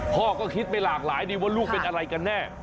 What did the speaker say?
พ่อก็คิดไปหลากหลายดีว่าลูกเป็นอะไรกันแน่